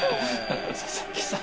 佐々木さん。